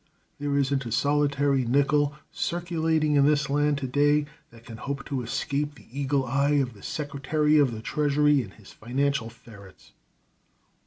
There isn't a solitary nickel circulating in this land to day that can hope to escape the eagle eye of the Secretary of the Treasury and his financial ferrets."